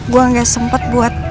gue gak sempet buat